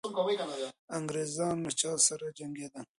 انګریزان له چا سره جنګېدل؟